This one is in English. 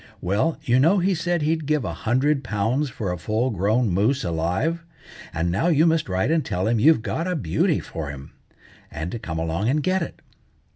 Well, you know he said he'd give a hundred pounds for a full grown moose alive; and now you must write and tell him you've got a beauty for him, and to come along and get it."